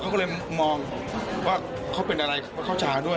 เขาก็เลยมองว่าเขาเป็นอะไรเขาชาด้วย